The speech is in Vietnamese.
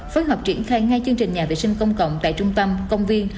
phối hợp triển khai ngay chương trình nhà vệ sinh công cộng tại trung tâm công viên